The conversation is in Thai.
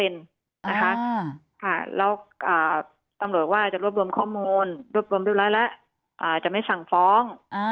แล้วตำรวจว่าจะรวบรวมข้อมูลรวบรวมเรียบร้อยแล้วจะไม่สั่งฟ้อง